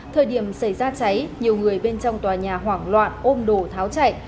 thời điểm xảy ra cháy nhiều người bên trong tòa nhà hoảng loạn ôm đồ tháo chạy